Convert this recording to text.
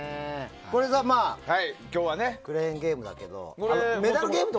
今日はクレーンゲームだけど。